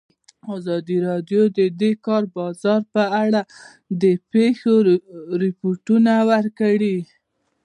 ازادي راډیو د د کار بازار په اړه د پېښو رپوټونه ورکړي.